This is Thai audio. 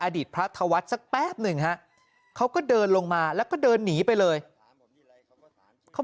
อดีตพระธวัฒน์สักแป๊บหนึ่งฮะเขาก็เดินลงมาแล้วก็เดินหนีไปเลยเขา